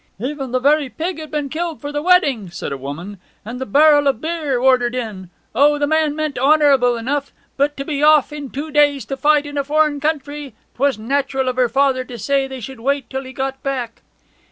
'Even the very pig had been killed for the wedding,' said a woman, 'and the barrel o' beer ordered in. O, the man meant honourable enough. But to be off in two days to fight in a foreign country 'twas natural of her father to say they should wait till he got back.'